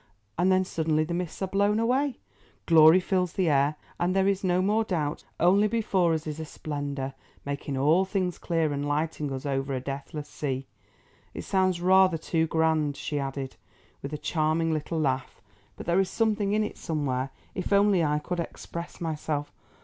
And then suddenly the mists are blown away, glory fills the air, and there is no more doubt, only before us is a splendour making all things clear and lighting us over a deathless sea. It sounds rather too grand," she added, with a charming little laugh; "but there is something in it somewhere, if only I could express myself.